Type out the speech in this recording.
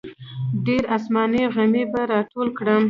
ډېر اسماني غمي به راټول کړم.